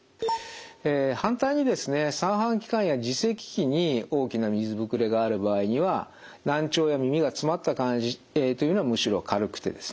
反対にですね三半規管や耳石器に大きな水ぶくれがある場合には難聴や耳がつまった感じというのはむしろ軽くてですね